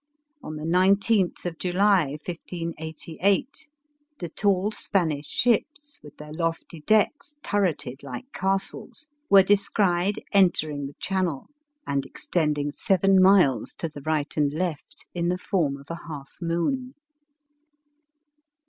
On the 19th of July, 1588, the tall Spanish ships, with their lofty decks turreted like castles, were descried entering the Channel, and extending seven miles to the right and left, in the form of a half moon.